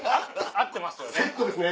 合ってますよね？